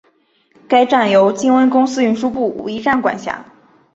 该站由金温公司运输部武义站管辖。